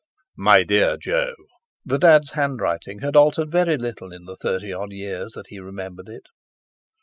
"MY DEAR JO," (The Dad's handwriting had altered very little in the thirty odd years that he remembered it.)